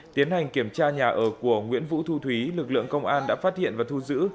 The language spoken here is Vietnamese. tiến hành kiểm tra nhà ở của nguyễn vũ thu thúy lực lượng công an đã phát hiện và thu giữ